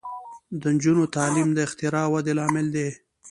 د نجونو تعلیم د اختراع ودې لامل دی.